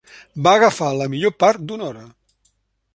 Va agafar la millor part d'una hora.